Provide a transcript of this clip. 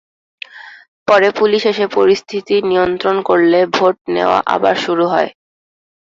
পরে পুলিশ এসে পরিস্থিতি নিয়ন্ত্রণ করলে ভোট নেওয়া আবার শুরু হয়।